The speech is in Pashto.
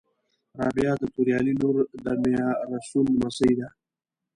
رابعه د توریالي لور د میارسول لمسۍ ده